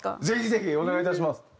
ぜひぜひお願いいたします。